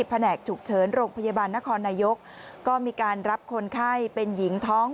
แหนกฉุกเฉินโรงพยาบาลนครนายกก็มีการรับคนไข้เป็นหญิงท้อง